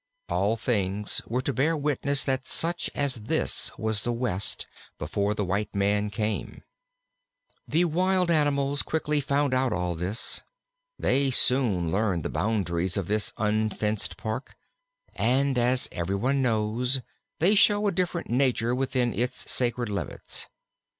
All things were to bear witness that such as this was the West before the white man came. The wild animals quickly found out all this. They soon learned the boundaries of this unfenced Park, and, as every one knows, they show a different nature within its sacred limits.